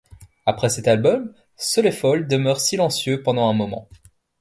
Après cet album, Solefald demeure silencieux pendant un moment.